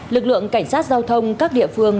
lực lượng cảnh sát giao thông các địa phương